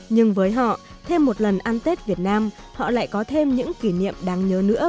nhưng với họ thêm một lần ăn tết việt nam họ lại có thêm những kỷ niệm đáng nhớ nữa